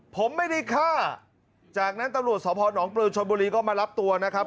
ผมไม่ได้ฆ่าจากนั้นตำรวจสพนปลือชนบุรีก็มารับตัวนะครับ